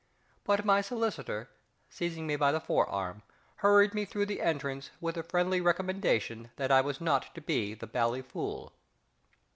But my solicitor, seizing me by the forearm, hurried me through the entrance with the friendly recommendation that I was not to be the bally fool.